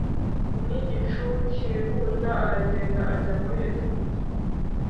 N igicu cyihuta aragenda ajya muri egiputa